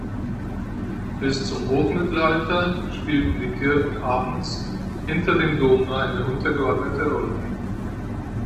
Bis zum Hochmittelalter spielten die Kirchen Aachens hinter dem Dom nur eine untergeordnete Rolle.